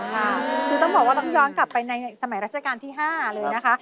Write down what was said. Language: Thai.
คือต้องบอกว่าต้องย้อนกลับไปในสมัยราชการที่๕เลยนะคะ